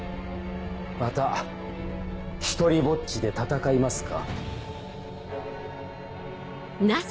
また独りぼっちで戦いますか？